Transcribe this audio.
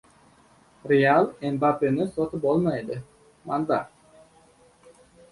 "Real" Mbappeni sotib olmaydi — manba